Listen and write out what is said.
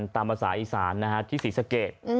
ตามภาษาอีสานที่ศรีสะเกด